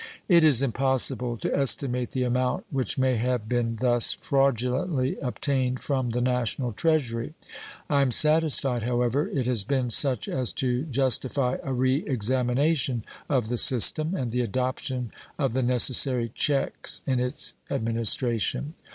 It is impossible to estimate the amount which may have been thus fraudulently obtained from the National Treasury. I am satisfied, however, it has been such as to justify a re examination of the system and the adoption of the necessary checks in its administration.